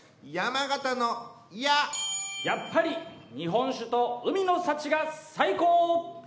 やっぱり日本酒と海の幸が最高！